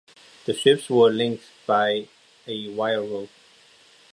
The ships were linked by a wire rope.